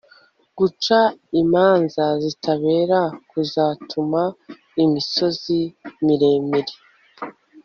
Guca imanza zitabera kuzatuma imisozi miremire